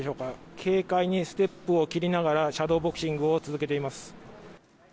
軽快にステップを切りながらシャドーボクシングを続けています。